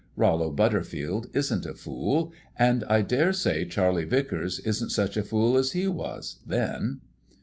Rollo Butterfield isn't a fool; and I daresay Charlie Vicars isn't such a fool as he was then."